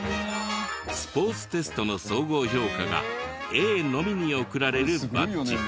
スポーツテストの総合評価がＡのみに贈られるバッジ。